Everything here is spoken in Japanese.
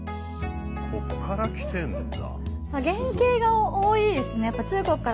ここからきてんだ。